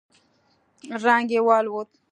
رنگ يې والوت.